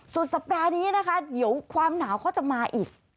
สุดสัปดาห์นี้นะคะเดี๋ยวความหนาวเขาจะมาอีก